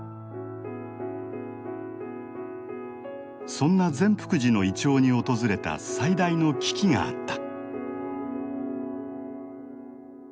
そんな善福寺のイチョウに訪れた最大の危機があった。